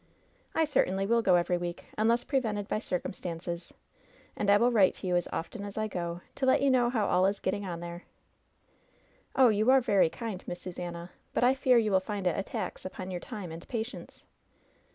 "I certainly will go every week, unless prevented by circumstances ; and I will write to you as often as I go, to let you know how all is getting on there." "Oh, you are very kind. Miss Susannah ; but I fear you will find it a tax upon your time and patience."